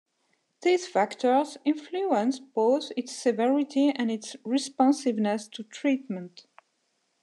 These factors influence both its severity and its responsiveness to treatment.